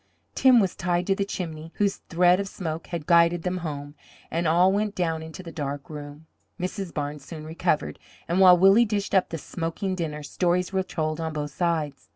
Tim was tied to the chimney, whose thread of smoke had guided them home, and all went down into the dark room. Mrs. Barnes soon recovered, and while Willie dished up the smoking dinner, stories were told on both sides.